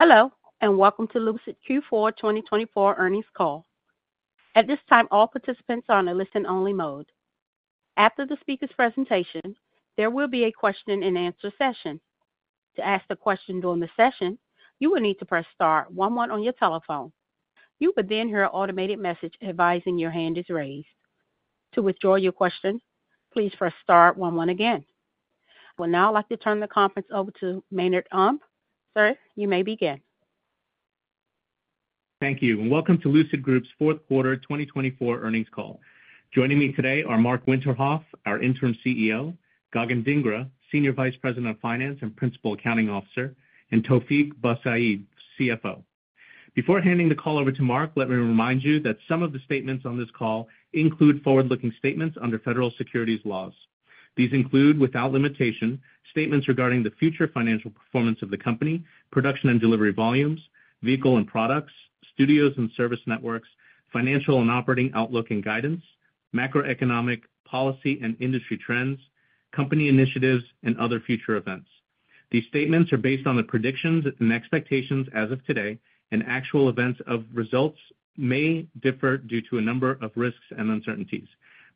Hello, and welcome to Lucid Q4 2024 Earnings Call. At this time, all participants are on a listen-only mode. After the speaker's presentation, there will be a question-and-answer session. To ask a question during the session, you will need to press Star one one on your telephone. You will then hear an automated message advising your hand is raised. To withdraw your question, please press Star one one again. I would now like to turn the conference over to Maynard Um. You may begin. Thank you, and welcome to Lucid Group's Q4 2024 Earnings Call. Joining me today are Marc Winterhoff, our Interim CEO, Gagan Dhingra, Senior Vice President of Finance and Principal Accounting Officer, and Taoufiq Boussaid, CFO. Before handing the call over to Marc, let me remind you that some of the statements on this call include forward-looking statements under federal securities laws. These include, without limitation, statements regarding the future financial performance of the company, production and delivery volumes, vehicle and products, studios and service networks, financial and operating outlook and guidance, macroeconomic policy and industry trends, company initiatives, and other future events. These statements are based on the predictions and expectations as of today, and actual events of results may differ due to a number of risks and uncertainties.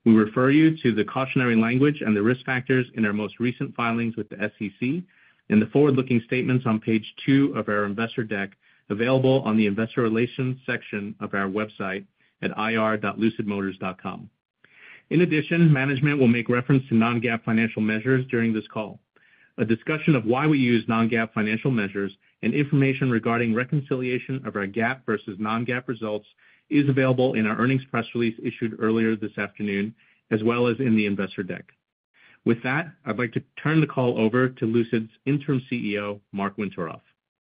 We refer you to the cautionary language and the risk factors in our most recent filings with the SEC and the forward-looking statements on page two of our investor deck available on the investor relations section of our website at ir.lucidmotors.com. In addition, management will make reference to non-GAAP financial measures during this call. A discussion of why we use non-GAAP financial measures and information regarding reconciliation of our GAAP versus non-GAAP results is available in our earnings press release issued earlier this afternoon, as well as in the investor deck. With that, I'd like to turn the call over to Lucid's interim CEO, Marc Winterhoff.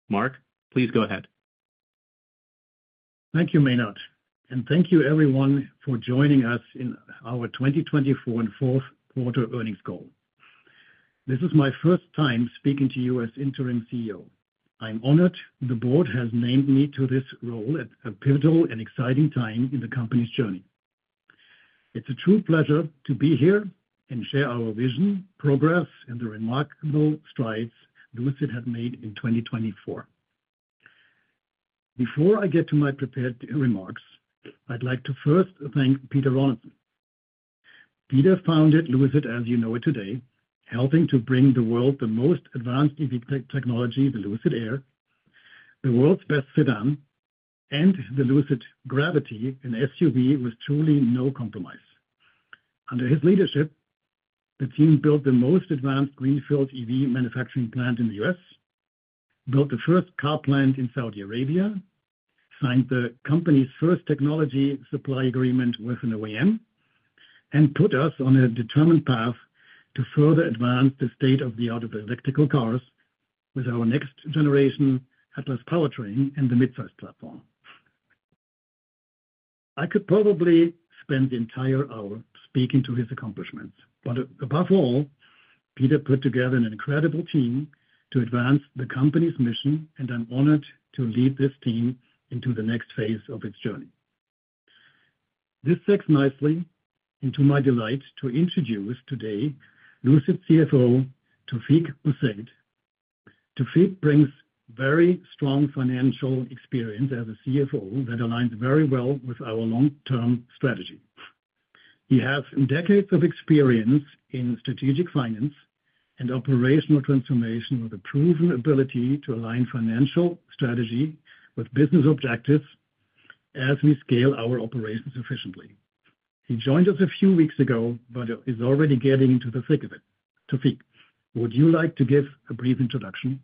Marc, please go ahead. Thank you, Maynard, and thank you, everyone, for joining us in our 2024 Q4 earnings call. This is my first time speaking to you as Interim CEO. I'm honored the board has named me to this role at a pivotal and exciting time in the company's journey. It's a true pleasure to be here and share our vision, progress, and the remarkable strides Lucid has made in 2024. Before I get to my prepared remarks, I'd like to first thank Peter Rawlinson. Peter founded Lucid as you know it today, helping to bring the world the most advanced EV technology, the Lucid Air, the world's best sedan, and the Lucid Gravity, an SUV with truly no compromise. Under his leadership, the team built the most advanced greenfield EV manufacturing plant in the US, built the first car plant in Saudi Arabia, signed the company's first technology supply agreement with an OEM, and put us on a determined path to further advance the state-of-the-art of electric cars with our next-generation Atlas and the midsize platform. I could probably spend the entire hour speaking to his accomplishments, but above all, Peter put together an incredible team to advance the company's mission, and I'm honored to lead this team into the next phase of its journey. This takes nicely into my delight to introduce today Lucid CFO, Taoufiq Boussaid. Taoufiq brings very strong financial experience as a CFO that aligns very well with our long-term strategy. He has decades of experience in strategic finance and operational transformation with a proven ability to align financial strategy with business objectives as we scale our operations efficiently. He joined us a few weeks ago, but is already getting to the thick of it. Taoufiq, would you like to give a brief introduction?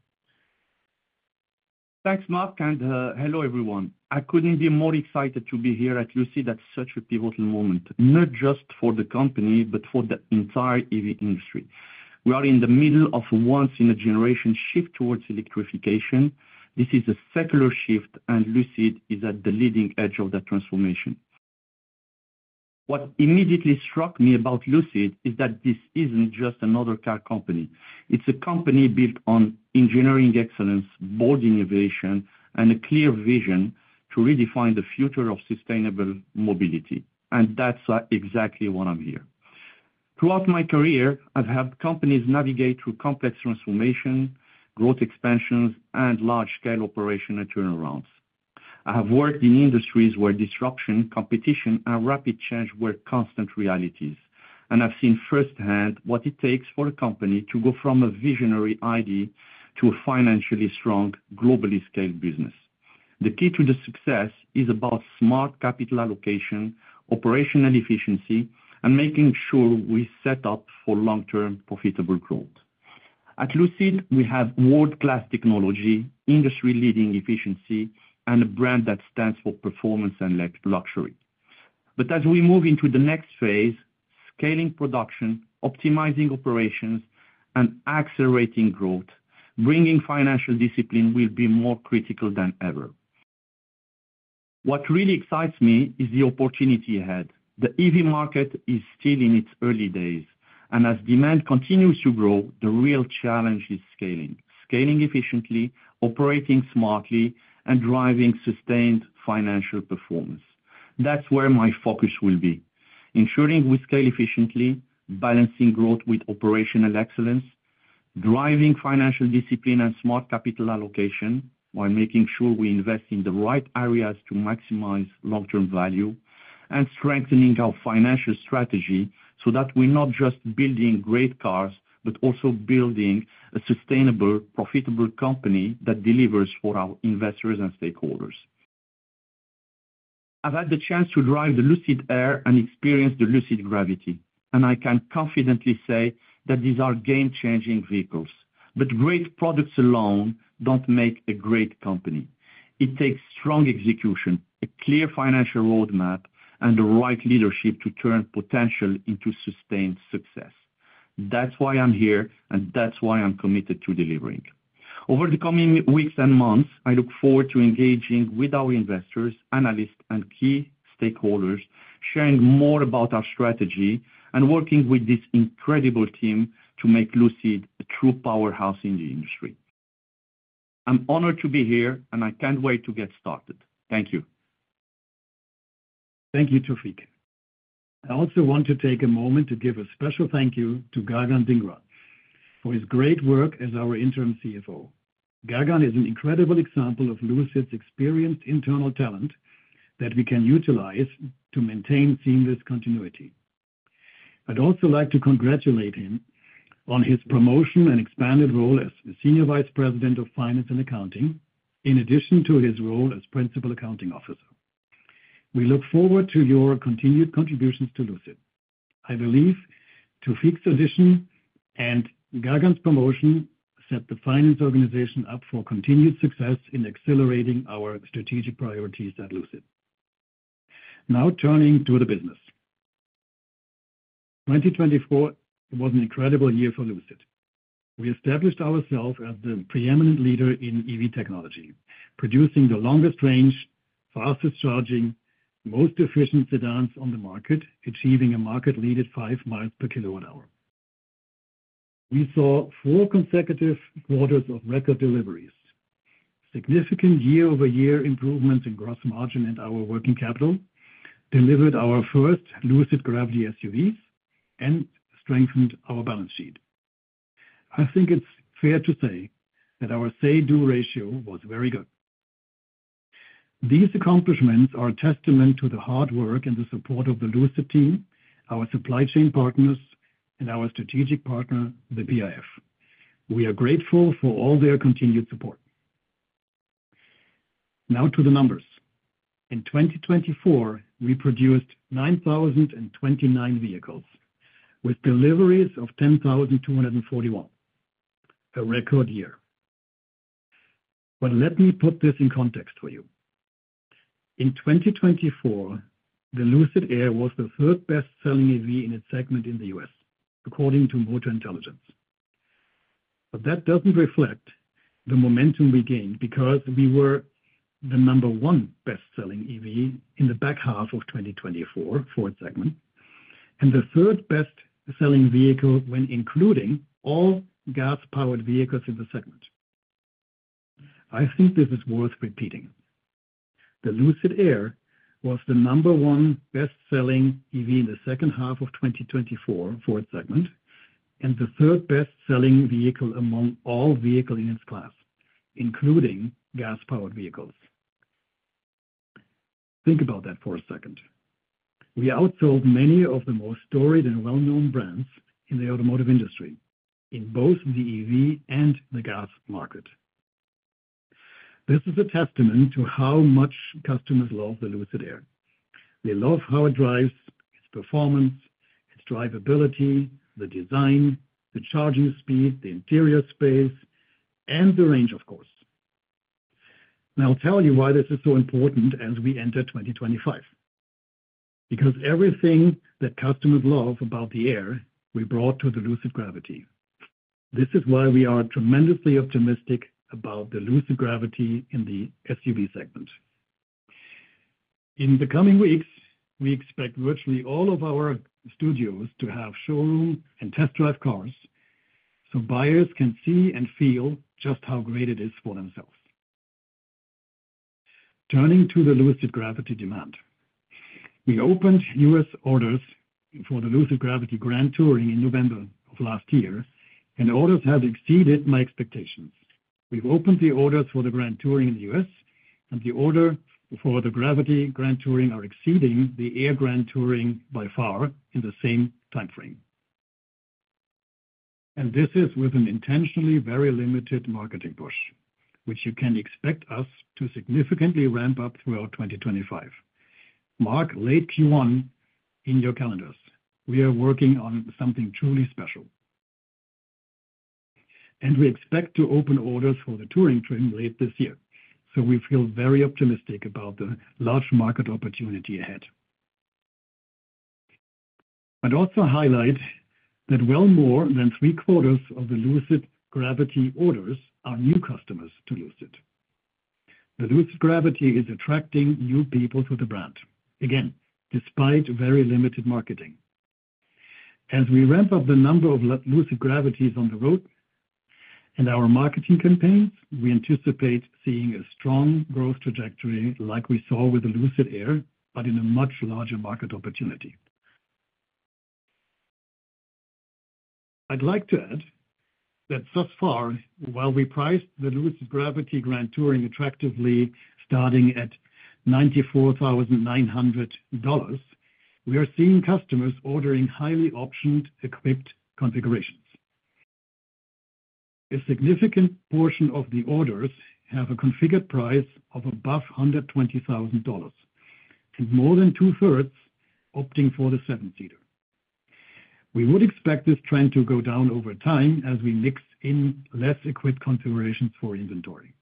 Thanks, Marc, and hello, everyone. I couldn't be more excited to be here at Lucid at such a pivotal moment, not just for the company, but for the entire EV industry. We are in the middle of a once-in-a-generation shift towards electrification. This is a secular shift, and Lucid is at the leading edge of that transformation. What immediately struck me about Lucid is that this isn't just another car company. It's a company built on engineering excellence, bold innovation, and a clear vision to redefine the future of sustainable mobility, and that's exactly why I'm here. Throughout my career, I've helped companies navigate through complex transformation, growth expansions, and large-scale operational turnarounds. I have worked in industries where disruption, competition, and rapid change were constant realities, and I've seen firsthand what it takes for a company to go from a visionary idea to a financially strong, globally scaled business. The key to the success is about smart capital allocation, operational efficiency, and making sure we set up for long-term profitable growth. At Lucid, we have world-class technology, industry-leading efficiency, and a brand that stands for performance and luxury. But as we move into the next phase, scaling production, optimizing operations, and accelerating growth, bringing financial discipline will be more critical than ever. What really excites me is the opportunity ahead. The EV market is still in its early days, and as demand continues to grow, the real challenge is scaling. Scaling efficiently, operating smartly, and driving sustained financial performance. That's where my focus will be. Ensuring we scale efficiently, balancing growth with operational excellence, driving financial discipline and smart capital allocation while making sure we invest in the right areas to maximize long-term value, and strengthening our financial strategy so that we're not just building great cars, but also building a sustainable, profitable company that delivers for our investors and stakeholders. I've had the chance to drive the Lucid Air and experience the Lucid Gravity, and I can confidently say that these are game-changing vehicles. But great products alone don't make a great company. It takes strong execution, a clear financial roadmap, and the right leadership to turn potential into sustained success. That's why I'm here, and that's why I'm committed to delivering. Over the coming weeks and months, I look forward to engaging with our investors, analysts, and key stakeholders, sharing more about our strategy and working with this incredible team to make Lucid a true powerhouse in the industry. I'm honored to be here, and I can't wait to get started. Thank you. Thank you, Taoufiq. I also want to take a moment to give a special thank you to Gagan Dhingra for his great work as our Interim CFO. Gagan is an incredible example of Lucid's experienced internal talent that we can utilize to maintain seamless continuity. I'd also like to congratulate him on his promotion and expanded role as Senior Vice President of Finance and Accounting, in addition to his role as Principal Accounting Officer. We look forward to your continued contributions to Lucid. I believe Taoufiq's addition and Gagan's promotion set the finance organization up for continued success in accelerating our strategic priorities at Lucid. Now, turning to the business. 2024 was an incredible year for Lucid. We established ourselves as the preeminent leader in EV technology, producing the longest range, fastest charging, most efficient sedans on the market, achieving a market-leading five miles per kilowatt hour. We saw four consecutive quarters of record deliveries, significant year-over-year improvements in gross margin and our working capital, delivered our first Lucid Gravity SUVs, and strengthened our balance sheet. I think it's fair to say that our say-do ratio was very good. These accomplishments are a testament to the hard work and the support of the Lucid team, our supply chain partners, and our strategic partner, the PIF. We are grateful for all their continued support. Now, to the numbers. In 2024, we produced 9,029 vehicles with deliveries of ,241, a record year. But let me put this in context for you. In 2024, the Lucid Air was the third best-selling EV in its segment in the US, according to Motor Intelligence. But that doesn't reflect the momentum we gained because we were the number one best-selling EV in the back half of 2024 for its segment and the third best-selling vehicle when including all gas-powered vehicles in the segment. I think this is worth repeating. The Lucid Air was the number one best-selling EV in the second half of 2024 for its segment and the third best-selling vehicle among all vehicles in its class, including gas-powered vehicles. Think about that for a second. We outsold many of the most storied and well-known brands in the automotive industry, in both the EV and the gas market. This is a testament to how much customers love the Lucid Air. They love how it drives, its performance, its drivability, the design, the charging speed, the interior space, and the range, of course. Now, I'll tell you why this is so important as we enter 2025. Because everything that customers love about the Air, we brought to the Lucid Gravity. This is why we are tremendously optimistic about the Lucid Gravity in the SUV segment. In the coming weeks, we expect virtually all of our studios to have showroom and test-drive cars so buyers can see and feel just how great it is for themselves. Turning to the Lucid Gravity demand. We opened US orders for the Lucid Gravity Grand Touring in November of last year, and orders have exceeded my expectations. We've opened the orders for the Grand Touring in the US, and the order for the Gravity Grand Touring are exceeding the Air Grand Touring by far in the same timeframe. This is with an intentionally very limited marketing push, which you can expect us to significantly ramp up throughout 2025. Mark, late Q1 in your calendars. We are working on something truly special. We expect to open orders for the Touring trim late this year, so we feel very optimistic about the large market opportunity ahead. I'd also highlight that well more than three quarters of the Lucid Gravity orders are new customers to Lucid. The Lucid Gravity is attracting new people to the brand, again, despite very limited marketing. As we ramp up the number of Lucid Gravities on the road and our marketing campaigns, we anticipate seeing a strong growth trajectory like we saw with the Lucid Air, but in a much larger market opportunity. I'd like to add that thus far, while we priced the Lucid Gravity Grand Touring attractively starting at $94,900, we are seeing customers ordering highly optioned equipped configurations. A significant portion of the orders have a configured price of above $120,000, and more than two-thirdss opting for the seven-seater. We would expect this trend to go down over time as we mix in less equipped configurations for inventory.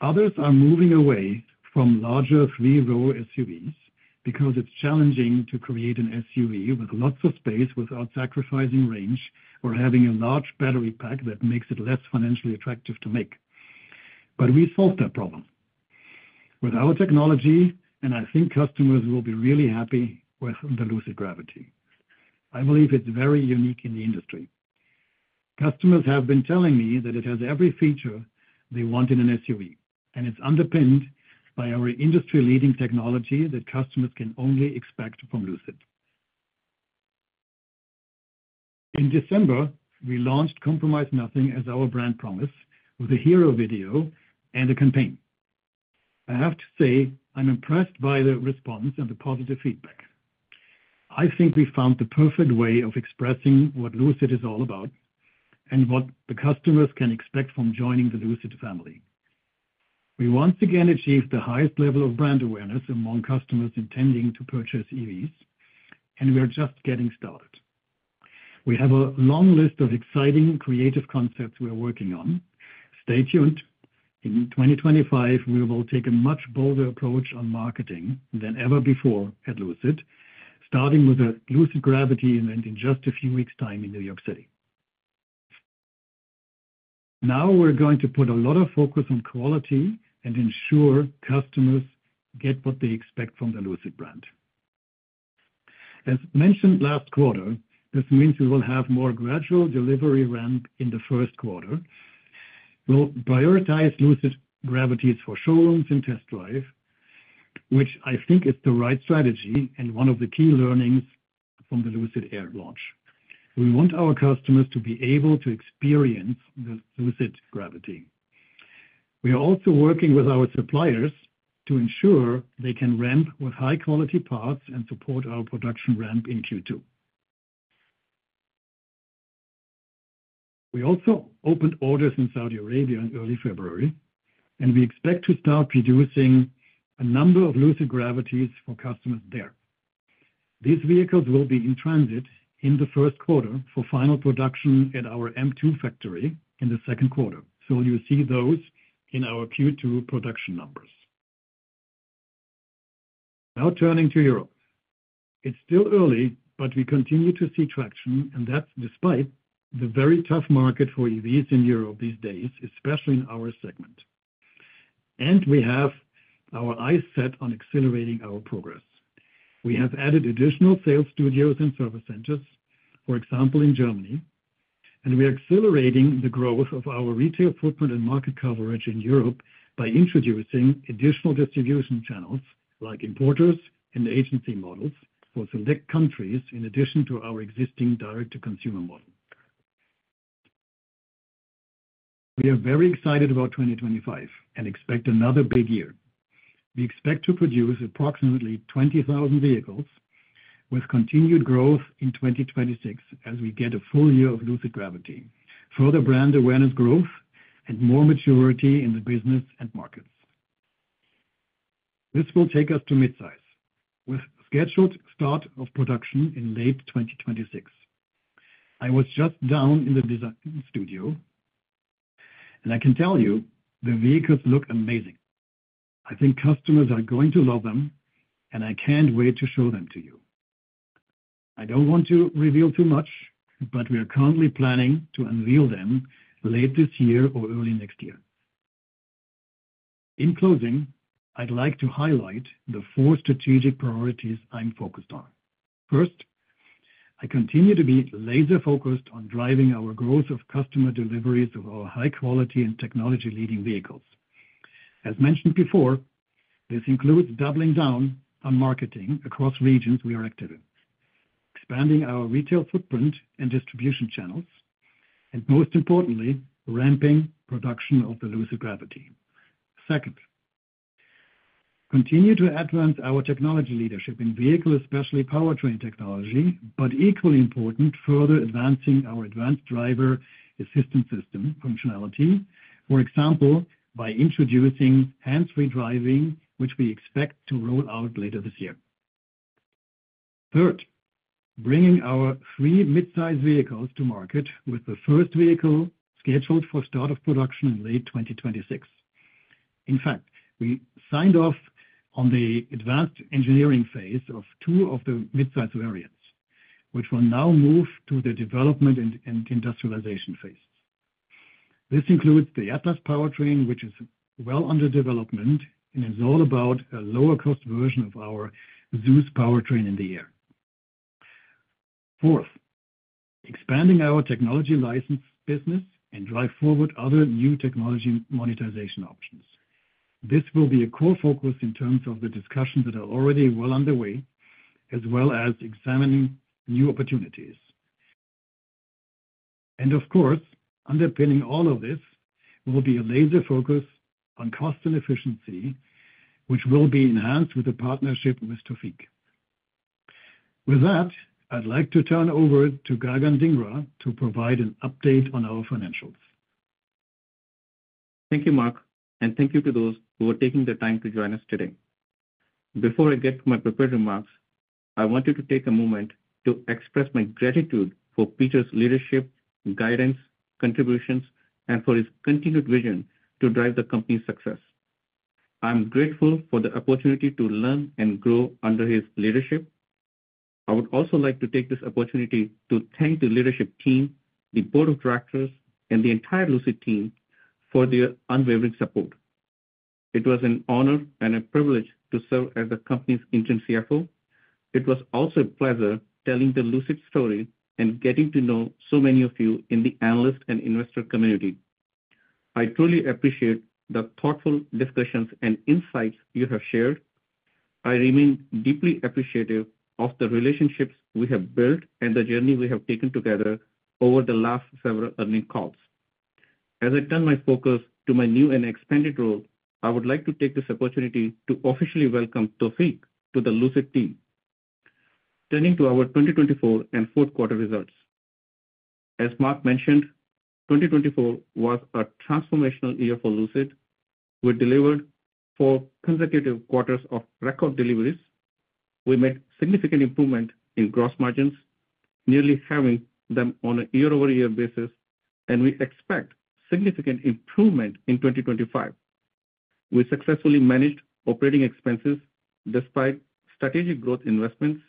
Others are moving away from larger three-row SUVs because it's challenging to create an SUV with lots of space without sacrificing range or having a large battery pack that makes it less financially attractive to make. But we solved that problem. With our technology, and I think customers will be really happy with the Lucid Gravity. I believe it's very unique in the industry. Customers have been telling me that it has every feature they want in an SUV, and it's underpinned by our industry-leading technology that customers can only expect from Lucid. In December, we launched Compromise Nothing as our brand promise with a hero video and a campaign. I have to say I'm impressed by the response and the positive feedback. I think we found the perfect way of expressing what Lucid is all about and what the customers can expect from joining the Lucid family. We once again achieved the highest level of brand awareness among customers intending to purchase EVs, and we're just getting started. We have a long list of exciting creative concepts we're working on. Stay tuned. In 2025, we will take a much bolder approach on marketing than ever before at Lucid, starting with a Lucid Gravity event in just a few weeks' time in New York City. Now, we're going to put a lot of focus on quality and ensure customers get what they expect from the Lucid brand. As mentioned last quarter, this means we will have more gradual delivery ramp in the Q1. We'll prioritize Lucid Gravities for showrooms and test drive, which I think is the right strategy and one of the key learnings from the Lucid Air launch. We want our customers to be able to experience the Lucid Gravity. We are also working with our suppliers to ensure they can ramp with high-quality parts and support our production ramp in Q2. We also opened orders in Saudi Arabia in early February, and we expect to start producing a number of Lucid Gravities for customers there. These vehicles will be in transit in the Q1 for final production at our AMP-2 factory in the Q2, so you'll see those in our Q2 production numbers. Now, turning to Europe. It's still early, but we continue to see traction, and that's despite the very tough market for EVs in Europe these days, especially in our segment, and we have our eyes set on accelerating our progress. We have added additional sales studios and service centers, for example, in Germany, and we are accelerating the growth of our retail footprint and market coverage in Europe by introducing additional distribution channels like importers and agency models for select countries in addition to our existing direct-to-consumer model. We are very excited about 2025 and expect another big year. We expect to produce approximately 20,000 vehicles with continued growth in 2026 as we get a full year of Lucid Gravity, further brand awareness growth, and more maturity in the business and markets. This will take us to midsize with scheduled start of production in late 2026. I was just down in the design studio, and I can tell you the vehicles look amazing. I think customers are going to love them, and I can't wait to show them to you. I don't want to reveal too much, but we are currently planning to unveil them late this year or early next year. In closing, I'd like to highlight the four strategic priorities I'm focused on. First, I continue to be laser-focused on driving our growth of customer deliveries of our high-quality and technology-leading vehicles. As mentioned before, this includes doubling down on marketing across regions we are active in, expanding ourretail footprint and distribution channels, and most importantly, ramping production of the Lucid Gravity. Second, continue to advance our technology leadership in vehicles, especially powertrain technology, but equally important, further advancing our advanced driver assistance system functionality, for example, by introducing hands-free driving, which we expect to roll out later this year. Third, bringing our three midsize vehicles to market with the first vehicle scheduled for start of production in late 2026. In fact, we signed off on the advanced engineering phase of two of the midsize variants, which will now move to the development and industrialization phase. This includes the Atlas powertrain, which is well under development, and it's all about a lower-cost version of our Zeus powertrain in the Air. Fourth, expanding our technology license business and drive forward other new technology monetization options. This will be a core focus in terms of the discussions that are already well underway, as well as examining new opportunities. And of course, underpinning all of this will be a laser focus on cost and efficiency, which will be enhanced with the partnership with Taoufiq. With that, I'd like to turn over to Gagan Dhingra to provide an update on our financials. Thank you, Marc, and thank you to those who are taking the time to join us today. Before I get to my prepared remarks, I wanted to take a moment to express my gratitude for Peter's leadership, guidance, contributions, and for his continued vision to drive the company's success. I'm grateful for the opportunity to learn and grow under his leadership. I would also like to take this opportunity to thank the leadership team, the board of directors, and the entire Lucid team for their unwavering support. It was an honor and a privilege to serve as the company's Interim CFO. It was also a pleasure telling the Lucid story and getting to know so many of you in the analyst and investor community. I truly appreciate the thoughtful discussions and insights you have shared. I remain deeply appreciative of the relationships we have built and the journey we have taken together over the last several earnings calls. As I turn my focus to my new and expanded role, I would like to take this opportunity to officially welcome Taoufiq to the Lucid team. Turning to our 2024 and Q4 results. As Marc mentioned, 2024 was a transformational year for Lucid. We delivered four consecutive quarters of record deliveries. We made significant improvements in gross margins, nearly halving them on a year-over-year basis, and we expect significant improvement in 2025. We successfully managed operating expenses despite strategic growth investments,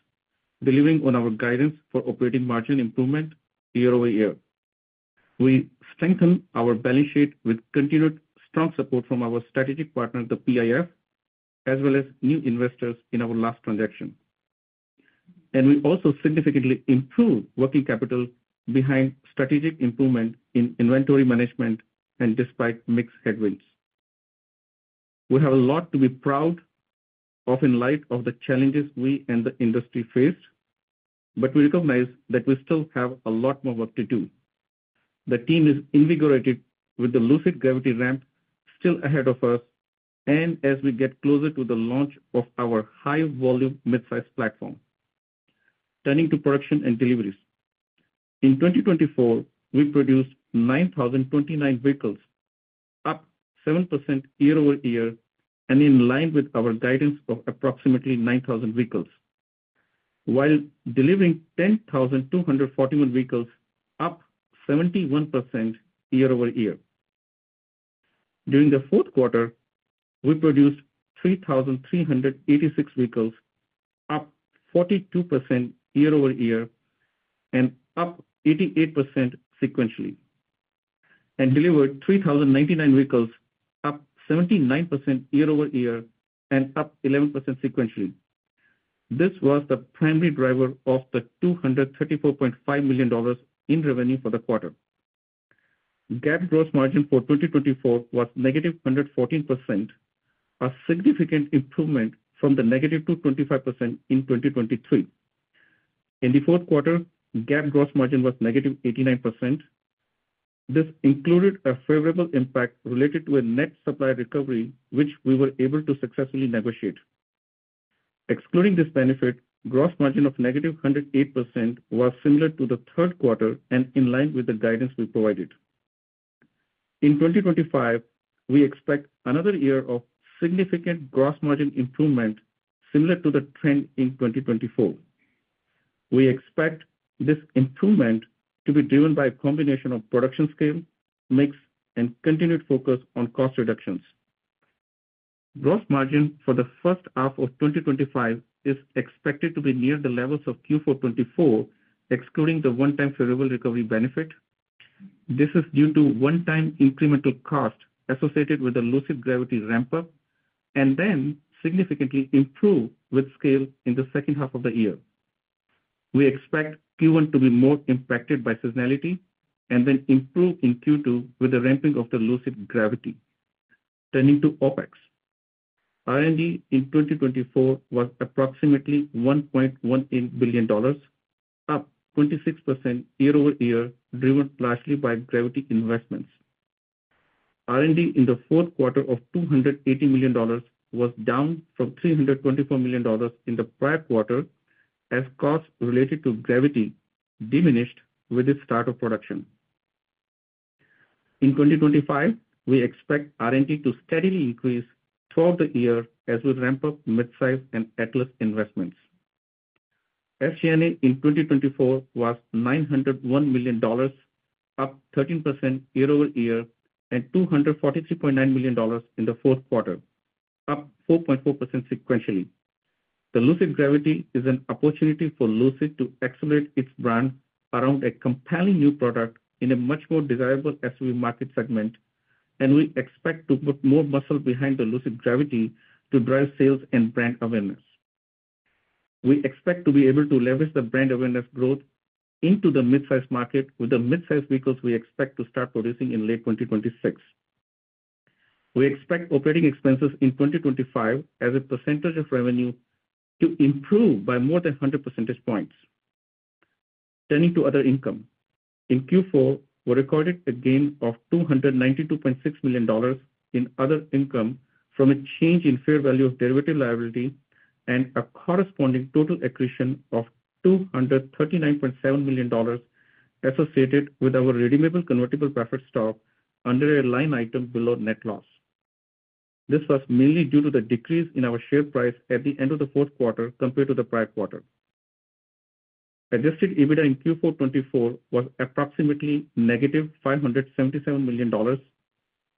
delivering on our guidance for operating margin improvement year over year. We strengthened our balance sheet with continued strong support from our strategic partner, the PIF, as well as new investors in our last transaction. And we also significantly improved working capital behind strategic improvement in inventory management and despite mixed headwinds. We have a lot to be proud of in light of the challenges we and the industry faced, but we recognize that we still have a lot more work to do. The team is invigorated with the Lucid Gravity ramp still ahead of us, and as we get closer to the launch of our high-volume midsize platform, turning to production and deliveries. In 2024, we produced 9,029 vehicles, up 7% year-over-year and in line with our guidance of approximately 9,000 vehicles, while delivering 10,241 vehicles, up 71% year-over-year. During the Q4, we produced 3,386 vehicles, up 42% year-over-year and up 88% sequentially, and delivered 3,099 vehicles, up 79% year-over-year and up 11% sequentially. This was the primary driver of the $234.5 million in revenue for the quarter. GAAP gross margin for 2024 was negative 114%, a significant improvement from the negative 225% in 2023. In the Q4, GAAP gross margin was negative 89%. This included a favorable impact related to a net supply recovery, which we were able to successfully negotiate. Excluding this benefit, gross margin of negative 108% was similar to the Q3 and in line with the guidance we provided. In 2025, we expect another year of significant gross margin improvement similar to the trend in 2024. We expect this improvement to be driven by a combination of production scale, mix, and continued focus on cost reductions. Gross margin for the first half of 2025 is expected to be near the levels of Q4 2024, excluding the one-time favorable recovery benefit. This is due to one-time incremental cost associated with the Lucid Gravity ramp-up and then significantly improved with scale in the second 1/2 of the year. We expect Q1 to be more impacted by seasonality and then improve in Q2 with the ramping of the Lucid Gravity. Turning to OpEx, R&D in 2024 was approximately $1.18 billion, up 26% year-over-year, driven largely by Gravity investments. R&D in the Q4 of $280 million was down from $324 million in the prior quarter as costs related to Gravity diminished with the start of production. In 2025, we expect R&D to steadily increase throughout the year as we ramp up midsize and Atlas investments. SG&A in 2024 was $901 million, up 13% year-over-year, and $243.9 million in the Q4, up 4.4% sequentially. The Lucid Gravity is an opportunity for Lucid to accelerate its brand around a compelling new product in a much more desirable SUV market segment, and we expect to put more muscle behind the Lucid Gravity to drive sales and brand awareness. We expect to be able to leverage the brand awareness growth into the midsize market with the midsize vehicles we expect to start producing in late 2026. We expect operating expenses in 2025 as a percentage of revenue to improve by more than 100 percentage points. Turning to other income, in Q4, we recorded a gain of $292.6 million in other income from a change in fair value of derivative liability and a corresponding total accretion of $239.7 million associated with our redeemable convertible preferred stock under a line item below net loss. This was mainly due to the decrease in our share price at the end of the Q4 compared to the prior quarter. Adjusted EBITDA in Q4 2024 was approximately negative $577 million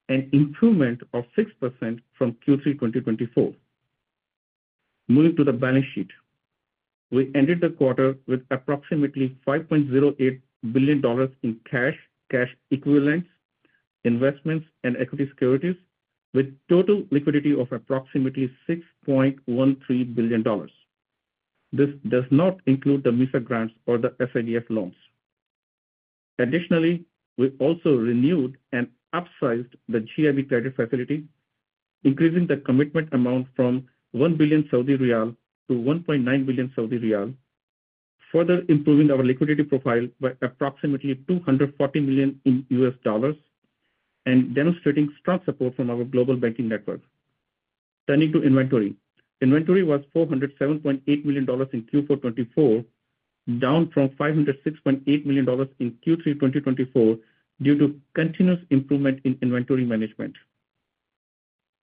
and improvement of 6% from Q3 2024. Moving to the balance sheet, we ended the quarter with approximately $5.08 billion in cash, cash equivalents, investments, and equity securities, with total liquidity of approximately $6.13 billion. This does not include the MISA grants or the SIDF loans. Additionally, we also renewed and upsized the GIB credit facility, increasing the commitment amount from 1 billion Saudi riyal to 1.9 billion Saudi riyal, further improving our liquidity profile by approximately $240 million in US dollars and demonstrating strong support from our global banking network. Turning to inventory, inventory was $407.8 million in Q4 2024, down from $506.8 million in Q3 2024 due to continuous improvement in inventory management.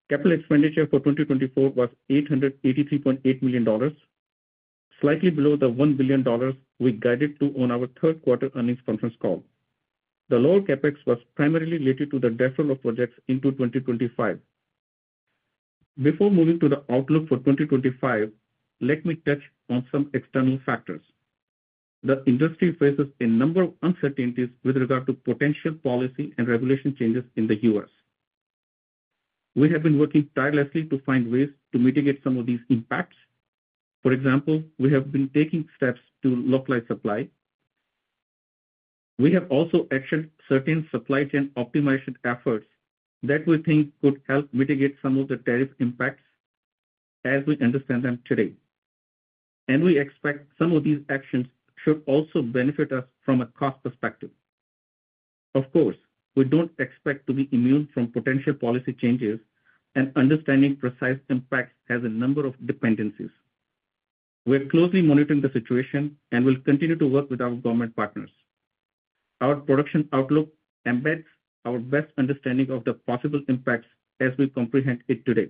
Capital expenditure for 2024 was $883.8 million, slightly below the $1 billion we guided to on our Q3 Earnings Conference Call. The lower CapEx was primarily related to the deferral of projects into 2025. Before moving to the outlook for 2025, let me touch on some external factors. The industry faces a number of uncertainties with regard to potential policy and regulation changes in the US, we have been working tirelessly to find ways to mitigate some of these impacts. For example, we have been taking steps to localize supply. We have also actioned certain supply chain optimization efforts that we think could help mitigate some of the tariff impacts as we understand them today, and we expect some of these actions should also benefit us from a cost perspective. Of course, we don't expect to be immune from potential policy changes and understanding precise impacts has a number of dependencies. We're closely monitoring the situation and will continue to work with our government partners. Our production outlook embeds our best understanding of the possible impacts as we comprehend it today.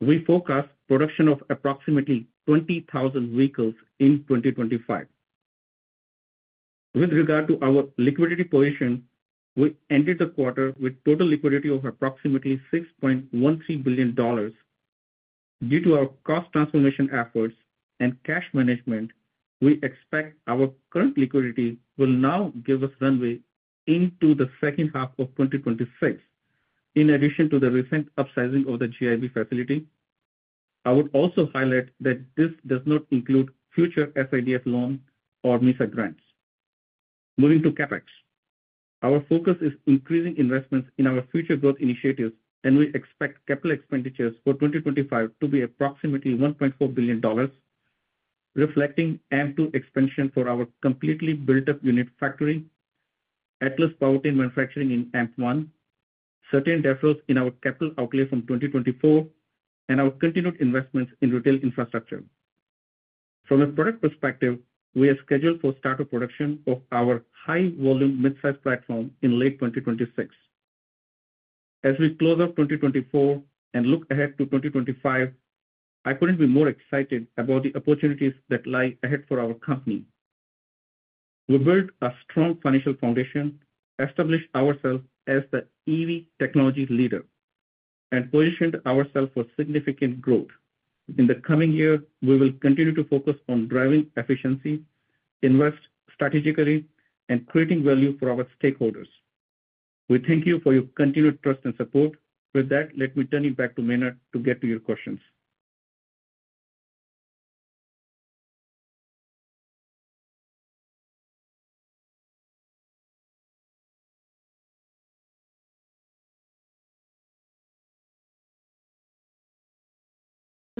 We forecast production of approximately 20,000 vehicles in 2025. With regard to our liquidity position, we ended the quarter with total liquidity of approximately $6.13 billion. Due to our cost transformation efforts and cash management, we expect our current liquidity will now give us runway into the second half of 2026, in addition to the recent upsizing of the GIB facility. I would also highlight that this does not include future SIDF loans or MISA grants. Moving to CapEx, our focus is increasing investments in our future growth initiatives, and we expect capital expenditures for 2025 to be approximately $1.4 billion, reflecting AMP-2 expansion for our completely built-up unit factory, Atlas powertrain manufacturing in AMP-1, certain deferrals in our capital outlay from 2024, and our continued investments in retail infrastructure. From a product perspective, we are scheduled for start of production of our high-volume midsize platform in late 2026. As we close out 2024 and look ahead to 2025, I couldn't be more excited about the opportunities that lie ahead for our company. We built a strong financial foundation, established ourselves as the EV technology leader, and positioned ourselves for significant growth. In the coming year, we will continue to focus on driving efficiency, invest strategically, and creating value for our stakeholders. We thank you for your continued trust and support. With that, let me turn it back to Maynard to get to your questions.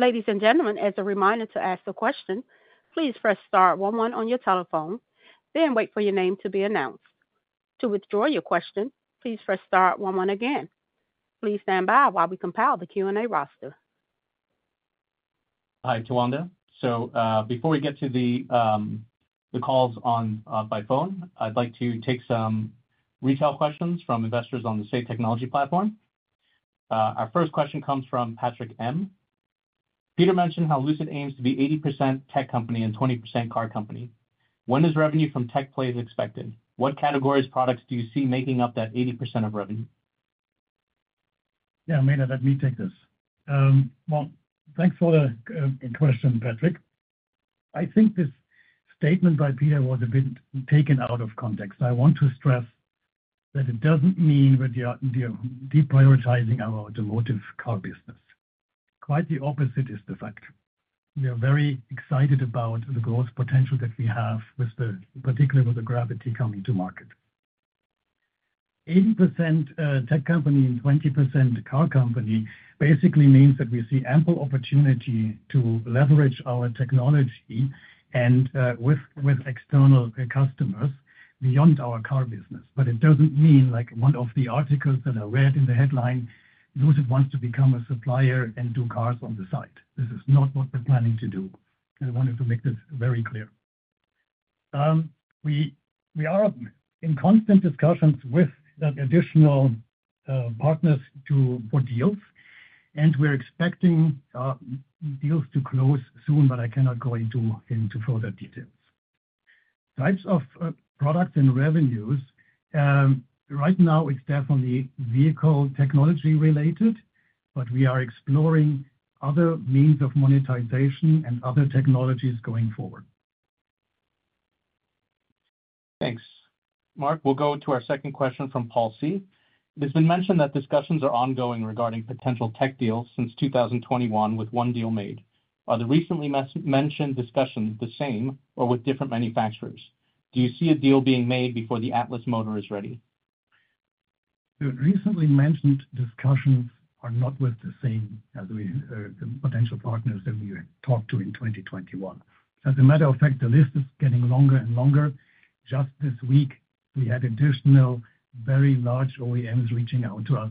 Ladies and gentlemen, as a reminder to ask the question, please press star one one on your telephone, then wait for your name to be announced. To withdraw your question, please press star one one again. Please stand by while we compile the Q&A roster. Hi, Tawanda. So before we get to the calls by phone, I'd like to take some retail questions from investors on the Say technology platform. Our first question comes from Patrick M. Peter mentioned how Lucid aims to be 80% tech company and 20% car company. When is revenue from tech plays expected? What categories of products do you see making up that 80% of revenue? Yeah, Maynard, let me take this. Well, thanks for the question, Patrick. I think this statement by Peter was a bit taken out of context. I want to stress that it doesn't mean that we are deprioritizing our automotive car business. Quite the opposite is the fact. We are very excited about the growth potential that we have, particularly with the Gravity coming to market. 80% tech company and 20% car company basically means that we see ample opportunity to leverage our technology and with external customers beyond our car business. But it doesn't mean like one of the articles that I read in the headline, Lucid wants to become a supplier and do cars on the side. This is not what we're planning to do. I wanted to make this very clear. We are in constant discussions with additional partners for deals, and we're expecting deals to close soon, but I cannot go into further details. Types of products and revenues, right now it's definitely vehicle technology related, but we are exploring other means of monetization and other technologies going forward. Thanks. Marc, we'll go to our second question from Paul C. It has been mentioned that discussions are ongoing regarding potential tech deals since 2021 with one deal made. Are the recently mentioned discussions the same or with different manufacturers? Do you see a deal being made before the Atlas motor is ready? The recently mentioned discussions are not the same as the potential partners that we talked to in 2021. As a matter of fact, the list is getting longer and longer. Just this week, we had additional very large OEMs reaching out to us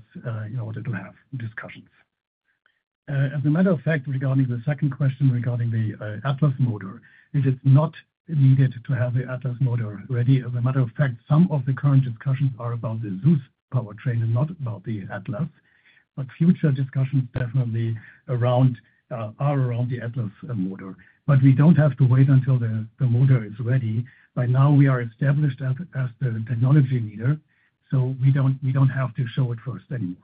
in order to have discussions. As a matter of fact, regarding the second question regarding the Atlas motor, it is not needed to have the Atlas motor ready. As a matter of fact, some of the current discussions are about the Zeus powertrain and not about the Atlas, but future discussions definitely are around the Atlas motor. But we don't have to wait until the motor is ready. By now, we are established as the technology leader, so we don't have to show it first anymore.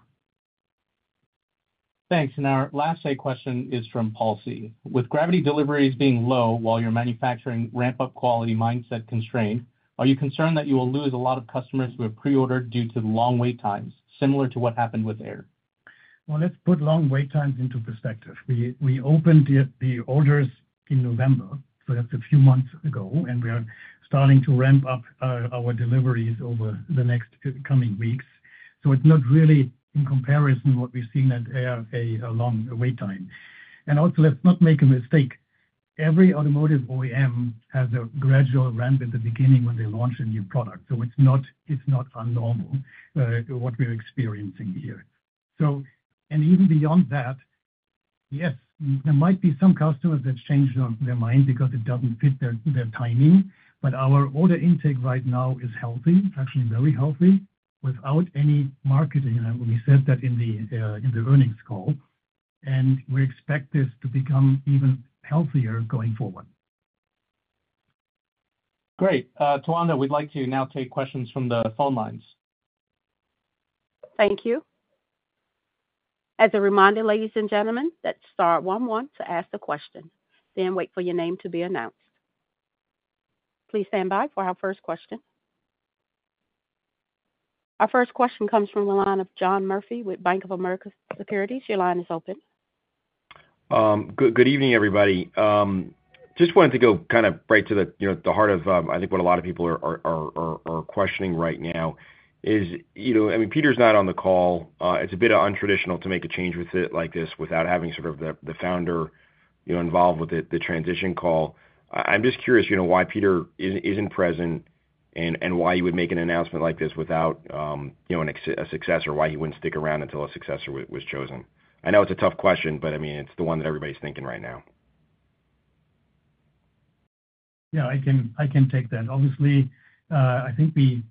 Thanks, and our last question is from Paul C. With Gravity deliveries being low while your manufacturing ramp-up quality mindset constrained, are you concerned that you will lose a lot of customers who have pre-ordered due to long wait times, similar to what happened with Air? Well, let's put long wait times into perspective. We opened the orders in November, so that's a few months ago, and we are starting to ramp up our deliveries over the next coming weeks. So it's not really in comparison what we've seen at Air, a long wait time. And also, let's not make a mistake. Every automotive OEM has a gradual ramp at the beginning when they launch a new product. So it's not uncommon what we're experiencing here. So, and even beyond that, yes, there might be some customers that change their mind because it doesn't fit their timing, but our order intake right now is healthy, actually very healthy, without any marketing. And we said that in the earnings call, and we expect this to become even healthier going forward. Great. Tawanda, we'd like to now take questions from the phone lines. Thank you. As a reminder, ladies and gentlemen, that's star one one to ask the question, then wait for your name to be announced. Please stand by for our first question. Our first question comes from the line of John Murphy with Bank of America Securities. Your line is open. Good evening, everybody. Just wanted to go kind of right to the heart of, I think, what a lot of people are questioning right now is, I mean, Peter's not on the call.It's a bit untraditional to make a change like this without having sort of the founder involved with the transition call. I'm just curious why Peter isn't present and why you would make an announcement like this without a successor, why he wouldn't stick around until a successor was chosen. I know it's a tough question, but I mean, it's the one that everybody's thinking right now. Yeah, I can take that. Obviously, I think we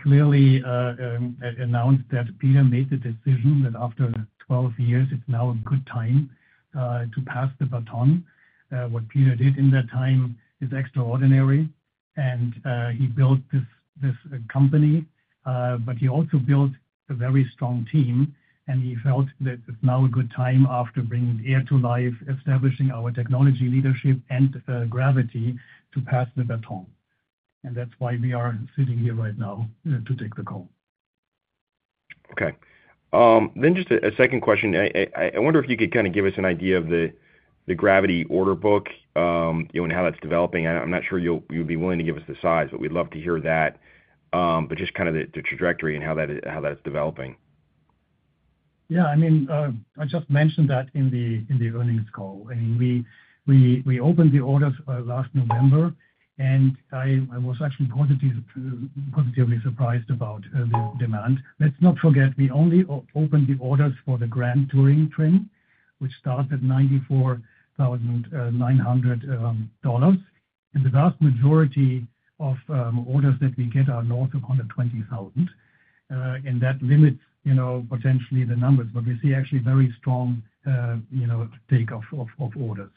clearly announced that Peter made the decision that after 12 years, it's now a good time to pass the baton. What Peter did in that time is extraordinary, and he built this company, but he also built a very strong team, and he felt that it's now a good time after bringing Air to life, establishing our technology leadership and Gravity to pass the baton. That's why we are sitting here right now to take the call. Okay. Just a second question. I wonder if you could kind of give us an idea of the Gravity order book and how that's developing. I'm not sure you'd be willing to give us the size, but we'd love to hear that, but just kind of the trajectory and how that's developing. Yeah, I mean, I just mentioned that in the earnings call. I mean, we opened the orders last November, and I was actually positively surprised about the demand. Let's not forget, we only opened the orders for the Grand Touring trim, which starts at $94,900. The vast majority of orders that we get are north of $120,000, and that limits potentially the numbers, but we see actually very strong takeoff of orders.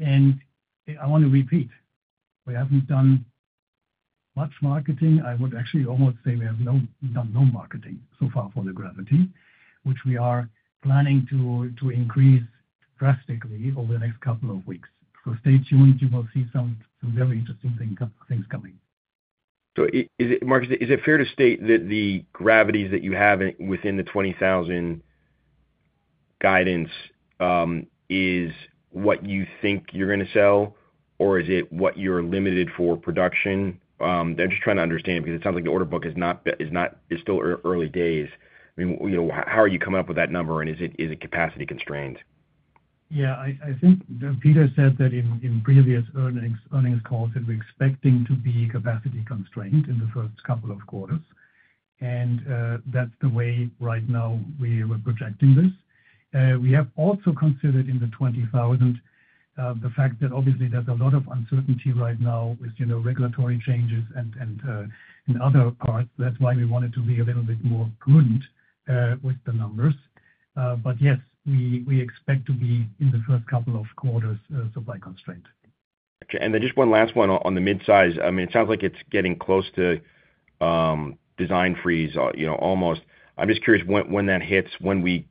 I want to repeat, we haven't done much marketing. I would actually almost say we have done no marketing so far for the Gravity, which we are planning to increase drastically over the next couple of weeks, so stay tuned. You will see some very interesting things coming. So Marc, is it fair to state that the Gravities that you have within the 20,000 guidance is what you think you're going to sell, or is it what you're limited for production? I'm just trying to understand because it sounds like the order book is still early days. I mean, how are you coming up with that number, and is it capacity constrained? Yeah, I think Peter said that in previous earnings calls that we're expecting to be capacity constrained in the first couple of quarters, and that's the way right now we were projecting this. We have also considered in the 20,000 the fact that obviously there's a lot of uncertainty right now with regulatory changes and other parts. That's why we wanted to be a little bit more prudent with the numbers. But yes, we expect to be in the first couple of quarters supply constrained. And then just one last one on the mid-size. I mean, it sounds like it's getting close to design freeze almost. I'm just curious when that hits, when we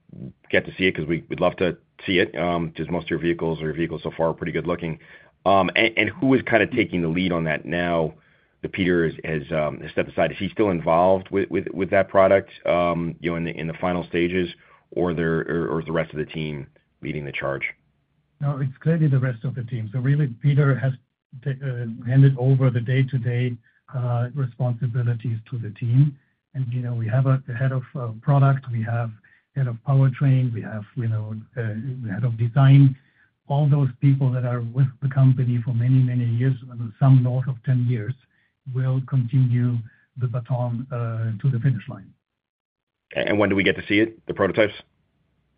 get to see it, because we'd love to see it, because most of your vehicles or your vehicles so far are pretty good looking. And who is kind of taking the lead on that now that Peter has stepped aside? Is he still involved with that product in the final stages, or is the rest of the team leading the charge? No, it's clearly the rest of the team. So really, Peter has handed over the day-to-day responsibilities to the team. And we have a head of product, we have head of powertrain, we have head of design. All those people that are with the company for many, many years, some north of 10 years, will continue the baton to the finish line. Okay. And when do we get to see it, the prototypes?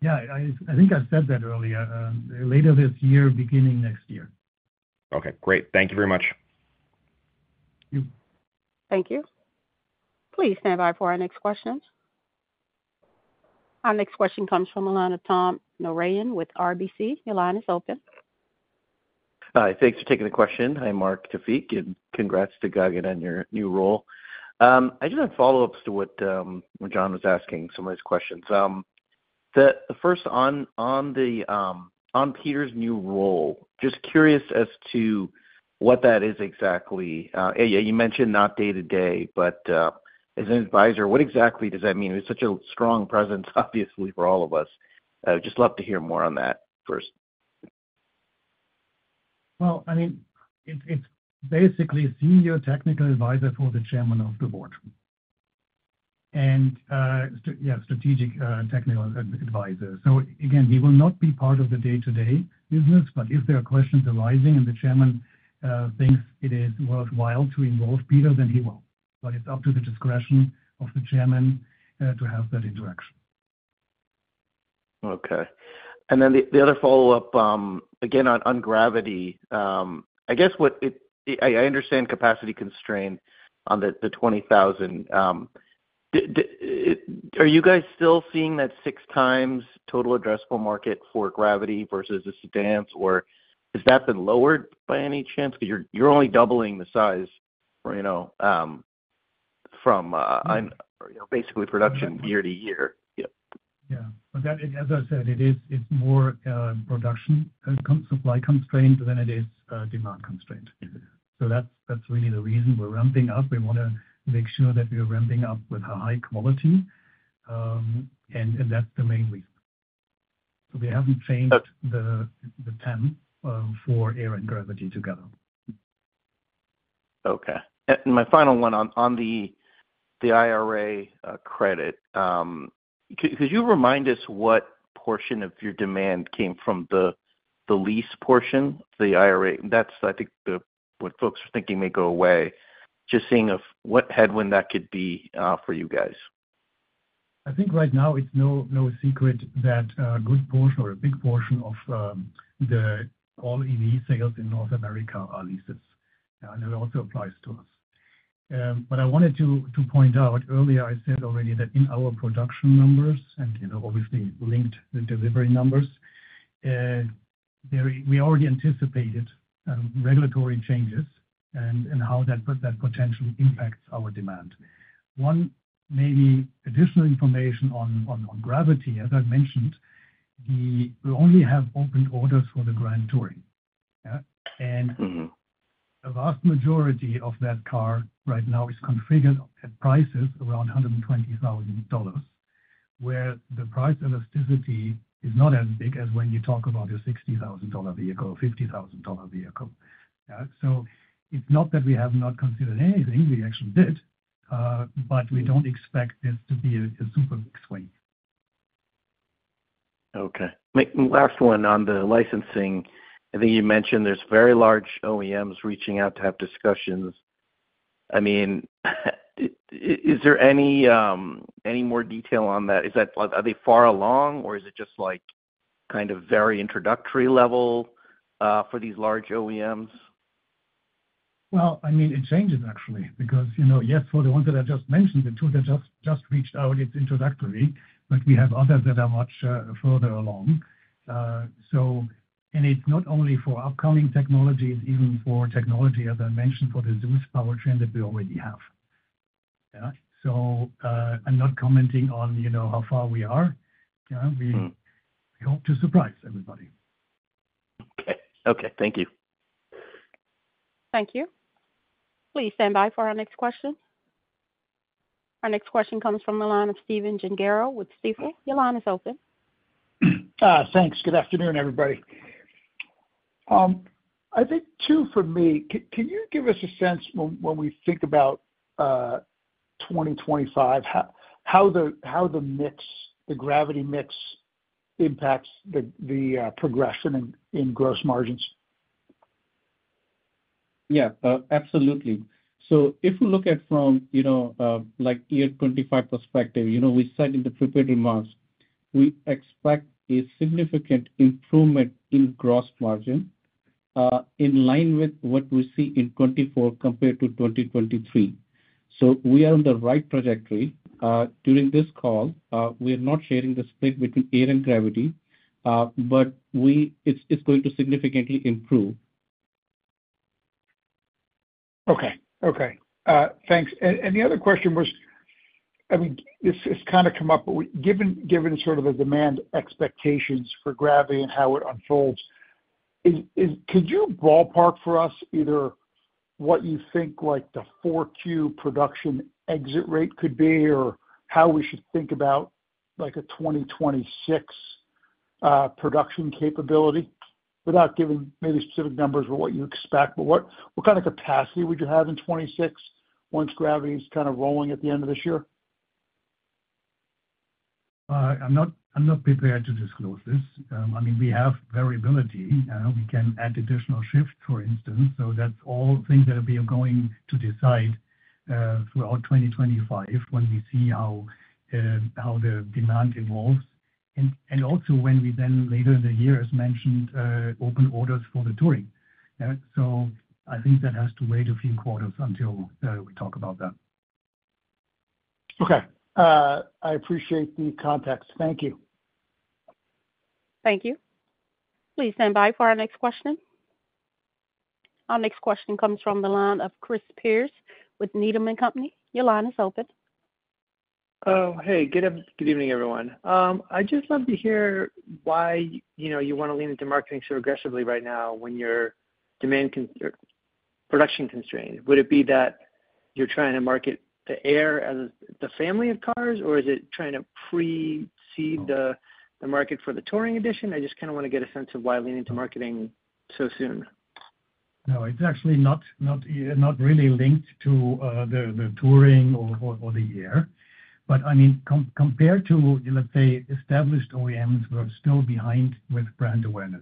Yeah, I think I said that earlier. Later this year, beginning next year. Okay. Great. Thank you very much. Thank you. Please stand by for our next questions. Our next question comes from Tom Narayan with RBC. Your line is open. Hi. Thanks for taking the question. Am, Marc Taoufiq. And congrats to Gagan on your new role. I just have follow-ups to what John was asking, some of his questions. The first, on Peter's new role, just curious as to what that is exactly. You mentioned not day-to-day, but as an advisor, what exactly does that mean? It was such a strong presence, obviously, for all of us. Just love to hear more on that first. Well, I mean, it's basically senior technical advisor for the chairman of the board and strategic technical advisor. So again, he will not be part of the day-to-day business, but if there are questions arising and the chairman thinks it is worthwhile to involve Peter, then he will. But it's up to the discretion of the chairman to have that interaction. Okay. And then the other follow-up, again, on Gravity. I guess I understand capacity constraint on the 20,000. Are you guys still seeing that six-times total addressable market for Gravity versus a sedan, or has that been lowered by any chance? Because you're only doubling the size from basically production year to year. Yeah. As I said, it's more production supply constraint than it is demand constraint. So that's really the reason we're ramping up. We want to make sure that we are ramping up with high quality, and that's the main reason. So we haven't changed the TAM for Air and Gravity together. Okay. And my final one on the IRA credit. Could you remind us what portion of your demand came from the lease portion? The IRA, that's I think what folks are thinking may go away. Just seeing what headwind that could be for you guys. I think right now it's no secret that a good portion or a big portion of the all EV sales in North America are leases. And it also applies to us. But I wanted to point out earlier, I said already that in our production numbers and obviously linked delivery numbers, we already anticipated regulatory changes and how that potentially impacts our demand. One maybe additional information on Gravity, as I mentioned, we only have open orders for the Grand Touring. And the vast majority of that car right now is configured at prices around $120,000, where the price elasticity is not as big as when you talk about a $60,000 vehicle or $50,000 vehicle. So it's not that we have not considered anything. We actually did, but we don't expect this to be a super big swing. Okay. Last one on the licensing. I think you mentioned there's very large OEMs reaching out to have discussions. I mean, is there any more detail on that? Are they far along, or is it just kind of very introductory level for these large OEMs? Well, I mean, it changes actually because, yes, for the ones that I just mentioned, the two that just reached out, it's introductory, but we have others that are much further along. And it's not only for upcoming technologies, even for technology, as I mentioned, for the Zeus powertrain that we already have. So I'm not commenting on how far we are. We hope to surprise everybody. Okay. Okay. Thank you. Thank you. Please stand by for our next question. Our next question comes from Stephen Gengaro with Stifel. Your line is open. Thanks. Good afternoon, everybody. I think two for me. Can you give us a sense when we think about 2025, how the Gravity mix impacts the progression in gross margins? Yeah, absolutely. So if we look at from 2025 perspective, we said in the prepared remarks, we expect a significant improvement in gross margin in line with what we see in 2024 compared to 2023. So we are on the right trajectory. During this call, we are not sharing the split between Air and Gravity, but it's going to significantly improve. Okay. Okay. Thanks. And the other question was, I mean, this has kind of come up, but given sort of the demand expectations for Gravity and how it unfolds, could you ballpark for us either what you think the 4Q production exit rate could be or how we should think about a 2026 production capability without giving maybe specific numbers for what you expect, but what kind of capacity would you have in 2026 once Gravity is kind of rolling at the end of this year? I'm not prepared to disclose this. I mean, we have variability. We can add additional shifts, for instance. So that's all things that we are going to decide throughout 2025 when we see how the demand evolves. And also when we then later in the year, as mentioned, open orders for the touring. So I think that has to wait a few quarters until we talk about that. Okay.I appreciate the context. Thank you. Thank you. Please stand by for our next question. Our next question comes from the line of Chris Pierce with Needham & Company. Your line is open. Oh, hey. Good evening, everyone. I'd just love to hear why you want to lean into marketing so aggressively right now when your demand production constraint. Would it be that you're trying to market the Air as the family of cars, or is it trying to precede the market for the Touring edition? I just kind of want to get a sense of why leaning into marketing so soon. No, it's actually not really linked to the Touring or the Air, but I mean, compared to, let's say, established OEMs, we're still behind with brand awareness.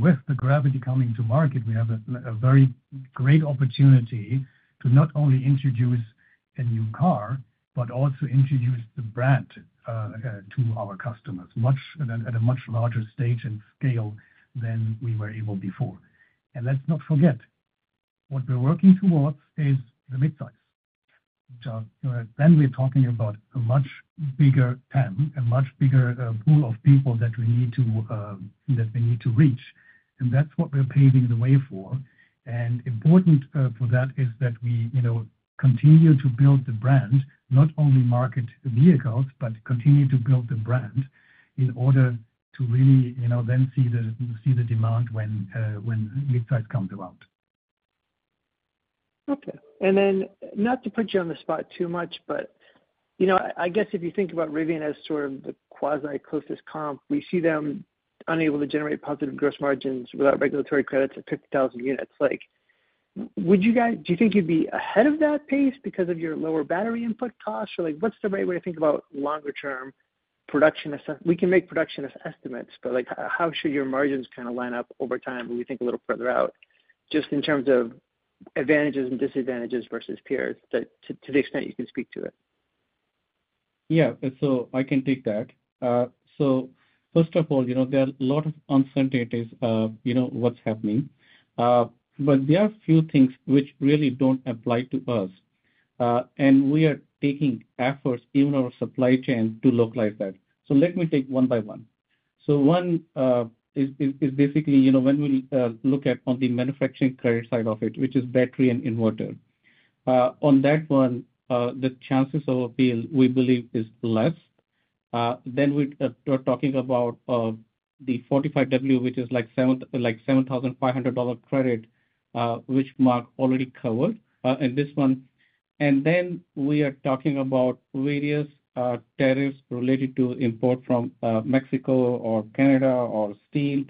With the Gravity coming to market, we have a very great opportunity to not only introduce a new car, but also introduce the brand to our customers at a much larger stage and scale than we were able before. Let's not forget, what we're working towards is the mid-size. We're talking about a much bigger 10, a much bigger pool of people that we need to reach. And that's what we're paving the way for. And important for that is that we continue to build the brand, not only market vehicles, but continue to build the brand in order to really then see the demand when mid-size comes around. Okay. And then not to put you on the spot too much, but I guess if you think about Rivian as sort of the quasi-closest comp, we see them unable to generate positive gross margins without regulatory credits at 50,000 units. Would you think you'd be ahead of that pace because of your lower battery input costs? Or what's the right way to think about longer-term production? We can make production estimates, but how should your margins kind of line up over time when we think a little further out? Just in terms of advantages and disadvantages versus peers, to the extent you can speak to it. Yeah. So I can take that. So first of all, there are a lot of uncertainties of what's happening. But there are a few things which really don't apply to us. And we are taking efforts, even our supply chain, to localize that. So let me take one by one. So one is basically when we look at on the manufacturing credit side of it, which is battery and inverter. On that one, the chances of appeal, we believe, is less. Then we're talking about the 45W, which is like $7,500 credit, which Marc already covered. And this one. And then we are talking about various tariffs related to import from Mexico or Canada or steel,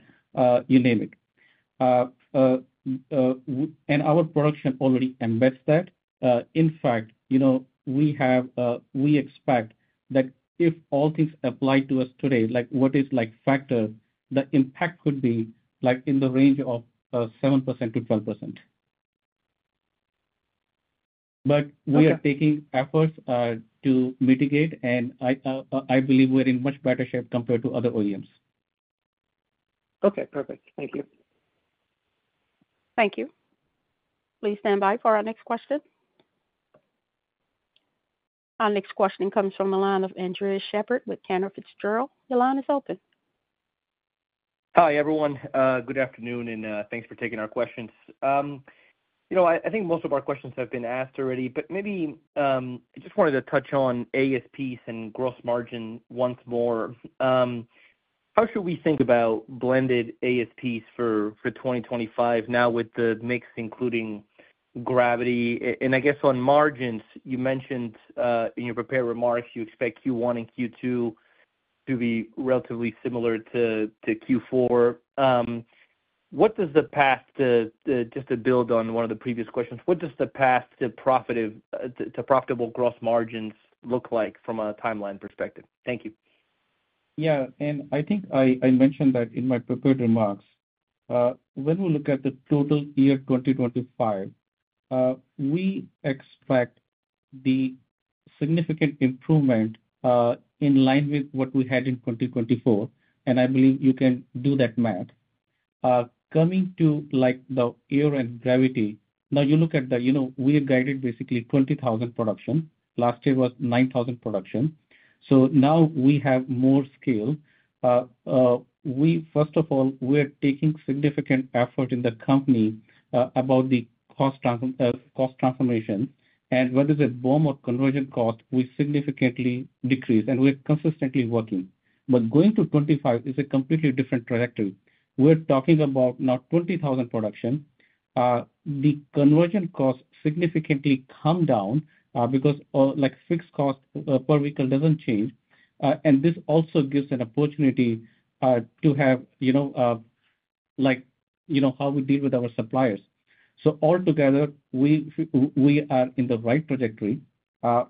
you name it. And our production already embeds that. In fact, we expect that if all things apply to us today, what is factor, the impact could be in the range of 7% to 12%. But we are taking efforts to mitigate, and I believe we're in much better shape compared to other OEMs. Okay. Perfect. Thank you. Thank you. Please stand by for our next question. Our next question comes from Andres Sheppard with Cantor Fitzgerald. Your line is open. Hi, everyone. Good afternoon, and thanks for taking our questions. I think most of our questions have been asked already, but maybe I just wanted to touch on ASPs and gross margin once more. How should we think about blended ASPs for 2025 now with the mix including Gravity? And I guess on margins, you mentioned in your prepared remarks, you expect Q1 and Q2 to be relatively similar to Q4. Just to build on one of the previous questions, what does the path to profitable gross margins look like from a timeline perspective? Thank you. Yeah. I think I mentioned that in my prepared remarks. When we look at the total year 2025, we expect the significant improvement in line with what we had in 2024. I believe you can do that math. Coming to the Air and Gravity, now you look at the we are guided basically 20,000 production. Last year was 9,000 production. So now we have more scale. First of all, we are taking significant effort in the company about the cost transformation. Whether it's a BOM or conversion cost, we significantly decrease. We're consistently working. But going to 25 is a completely different trajectory. We're talking about now 20,000 production. The conversion costs significantly come down because fixed cost per vehicle doesn't change. This also gives an opportunity to have how we deal with our suppliers. So altogether, we are in the right trajectory.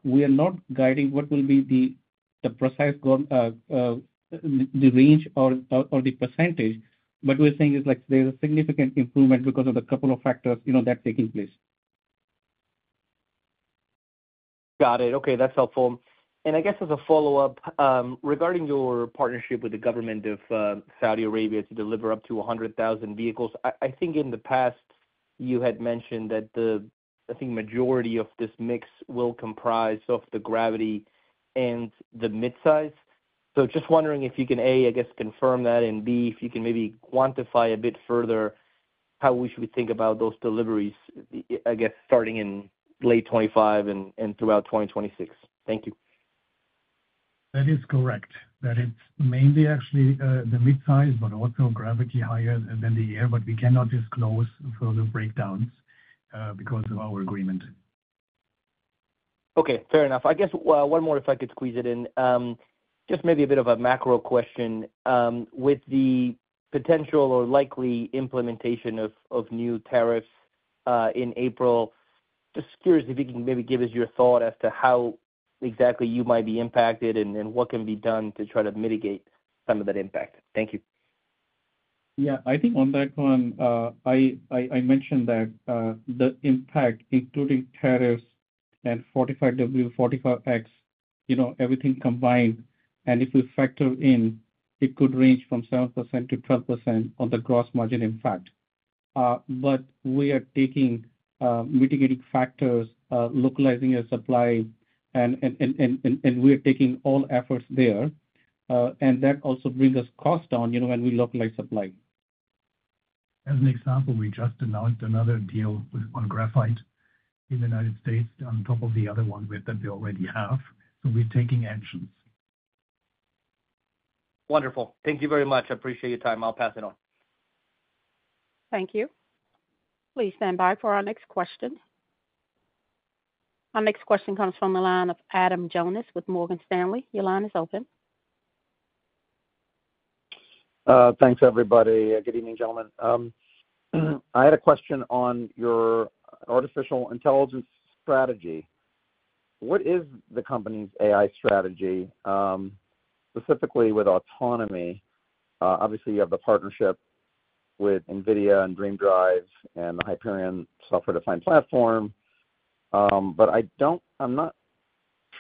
We are not guiding what will be the precise range or the percentage, but we're saying there's a significant improvement because of the couple of factors that are taking place. Got it. Okay. That's helpful. And I guess as a follow-up, regarding your partnership with the government of Saudi Arabia to deliver up to 100,000 vehicles, I think in the past, you had mentioned that the, I think, majority of this mix will comprise of the Gravity and the mid-size. So just wondering if you can, A, I guess, confirm that, and B, if you can maybe quantify a bit further how we should think about those deliveries, I guess, starting in late 2025 and throughout 2026. Thank you. That is correct. That it's mainly actually the mid-size, but also Gravity higher than the Air, but we cannot disclose further breakdowns because of our agreement. Okay. Fair enough.I guess one more, if I could squeeze it in. Just maybe a bit of a macro question. With the potential or likely implementation of new tariffs in April, just curious if you can maybe give us your thought as to how exactly you might be impacted and what can be done to try to mitigate some of that impact. Thank you. Yeah. I think on that one, I mentioned that the impact, including tariffs and 45W, 45X, everything combined, and if we factor in, it could range from 7% to 12% on the gross margin impact. But we are taking mitigating factors, localizing our supply, and we are taking all efforts there. And that also brings us cost down when we localize supply. As an example, we just announced another deal on graphite in the United States on top of the other one that we already have. So we're taking actions. Wonderful. Thank you very much. I appreciate your time. I'll pass it on. Thank you. Please stand by for our next question. Our next question comes from the line of Adam Jonas with Morgan Stanley. Your line is open. Thanks, everybody. Good evening, gentlemen. I had a question on your artificial intelligence strategy. What is the company's AI strategy, specifically with autonomy? Obviously, you have the partnership with NVIDIA and DreamDrive and the Hyperion software-defined platform. But I'm not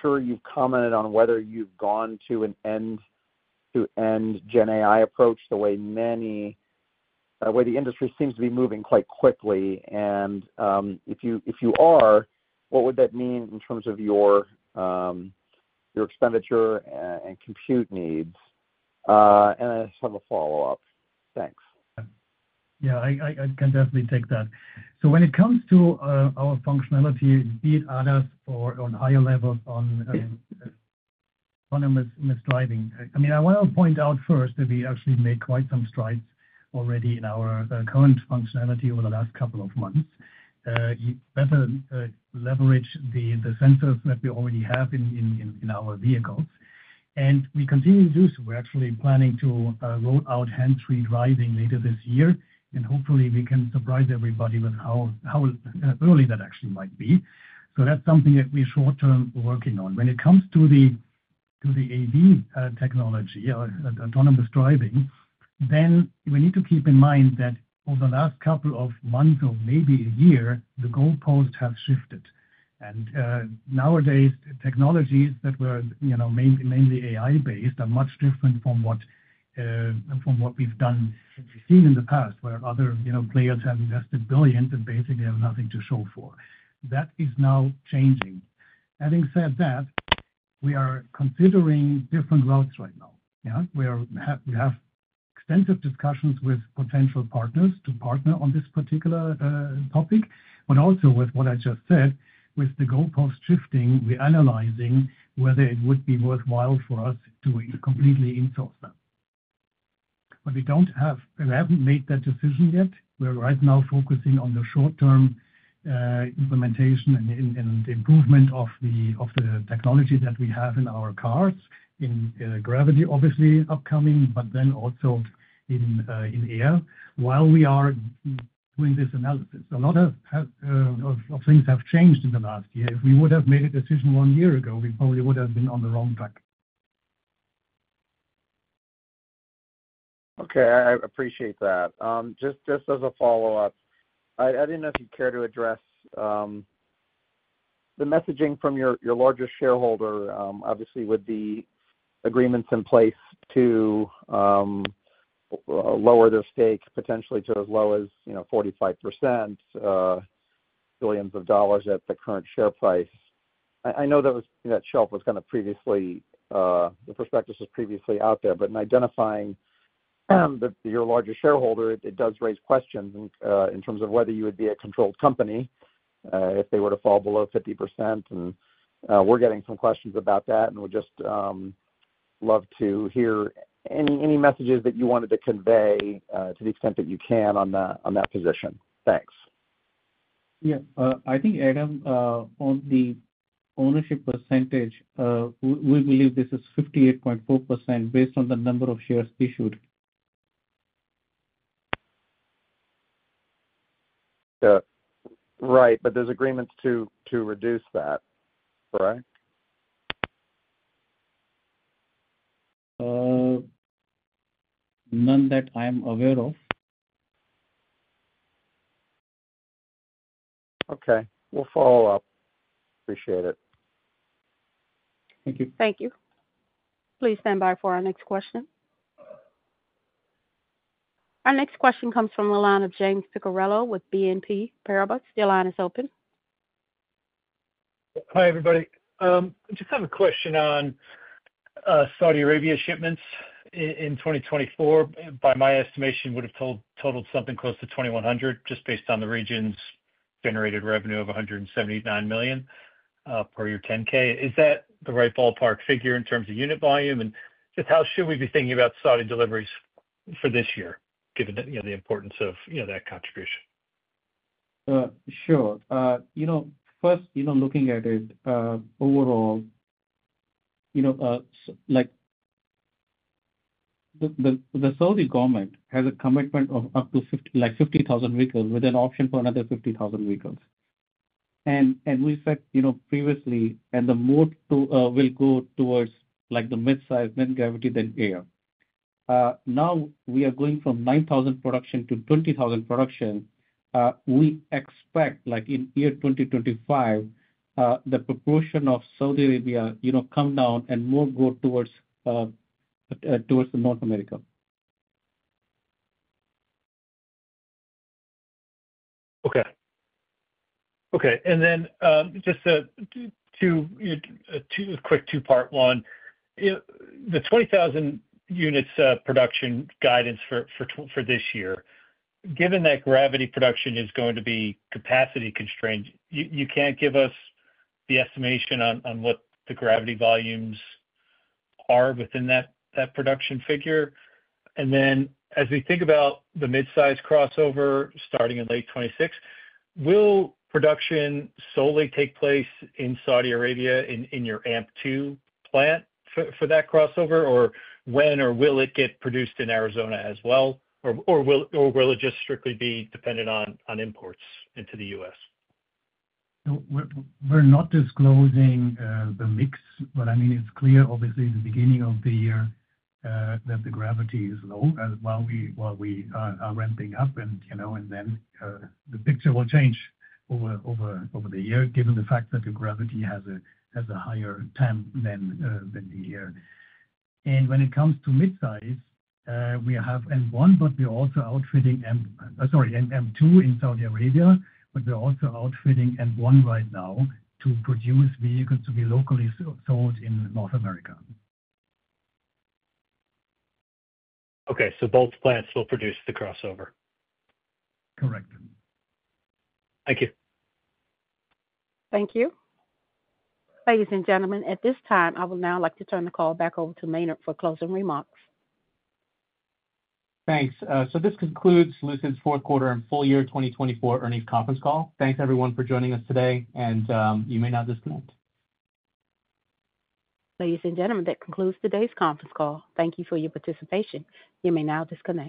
sure you've commented on whether you've gone to an end-to-end GenAI approach the way the industry seems to be moving quite quickly. And if you are, what would that mean in terms of your expenditure and compute needs? And I just have a follow-up. Thanks. Yeah. I can definitely take that. When it comes to our functionality, be it ADAS or on higher levels on autonomous driving, I mean, I want to point out first that we actually made quite some strides already in our current functionality over the last couple of months. We better leverage the sensors that we already have in our vehicles. And we continue to do so. We're actually planning to roll out hands-free driving later this year. And hopefully, we can surprise everybody with how early that actually might be. That's something that we're short-term working on. When it comes to the AV technology, autonomous driving, then we need to keep in mind that over the last couple of months or maybe a year, the goalpost has shifted. Nowadays, technologies that were mainly AI-based are much different from what we've seen in the past, where other players have invested billions and basically have nothing to show for. That is now changing. Having said that, we are considering different routes right now. We have extensive discussions with potential partners to partner on this particular topic, but also with what I just said, with the goalpost shifting, we're analyzing whether it would be worthwhile for us to completely insource them. But we haven't made that decision yet. We're right now focusing on the short-term implementation and improvement of the technology that we have in our cars, in Gravity, obviously, upcoming, but then also in Air, while we are doing this analysis. A lot of things have changed in the last year. If we would have made a decision one year ago, we probably would have been on the wrong track. Okay. I appreciate that. Just as a follow-up, I didn't know if you'd care to address the messaging from your largest shareholder, obviously, with the agreements in place to lower their stake potentially to as low as 45%, billions of dollars at the current share price. I know that shelf prospectus was previously out there, but in identifying your larger shareholder, it does raise questions in terms of whether you would be a controlled company if they were to fall below 50%, and we're getting some questions about that, and we'd just love to hear any messages that you wanted to convey to the extent that you can on that position. Thanks. Yeah. I think, Adam, on the ownership percentage, we believe this is 58.4% based on the number of shares issued. Right. But there's agreements to reduce that, correct? None that I'm aware of. Okay. We'll follow up. Appreciate it. Thank you. Thank you. Please stand by for our next question. Our next question comes from James Picariello with BNP Paribas. Your line is open. Hi, everybody. I just have a question on Saudi Arabia shipments in 2024. By my estimation, it would have totaled something close to 2,100, just based on the region's generated revenue of $179 million per our 10-K. Is that the right ballpark figure in terms of unit volume? And just how should we be thinking about Saudi deliveries for this year, given the importance of that contribution? Sure. First, looking at it overall, the Saudi government has a commitment of up to 50,000 vehicles with an option for another 50,000 vehicles. And we said previously, and the more will go towards the mid-size, then Gravity, then Air. Now, we are going from 9,000 production to 20,000 production. We expect in year 2025, the proportion of Saudi Arabia come down and more go towards North America. And then just to a quick two-part one, the 20,000 units production guidance for this year, given that Gravity production is going to be capacity constrained, can you give us the estimation on what the Gravity volumes are within that production figure. And then as we think about the mid-size crossover starting in late 2026, will production solely take place in Saudi Arabia in your Amp-2 plant for that crossover, or when or will it get produced in Arizona as well, or will it just strictly be dependent on imports into the US? We're not disclosing the mix, but I mean, it's clear, obviously, at the beginning of the year that the Gravity is low while we are ramping up, and then the picture will change over the year, given the fact that the Gravity has a higher MSRP than the Air. And when it comes to mid-size, we have Amp-1, but we're also outfitting Amp-2 in Saudi Arabia, but we're also outfitting Amp-1 right now to produce vehicles to be locally sold in North America. Okay. So both plants will produce the crossover. Correct. Thank you. Thank you. Ladies and gentlemen, at this time, I would now like to turn the call back over to Maynard for closing remarks. Thanks. So this concludes Lucid's Q4 and Full Year 2024 Earnings Conference Call. Thanks, everyone, for joining us today, and you may now disconnect. Ladies and gentlemen, that concludes today's conference call. Thank you for your participation. You may now disconnect.